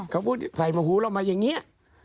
เขาก็ใส่มาหูเรามาอย่างนี้